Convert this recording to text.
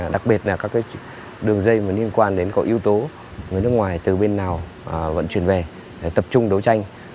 đặc biệt là các đường dây liên quan đến có yếu tố người nước ngoài từ bên nào vận chuyển về để tập trung đấu tranh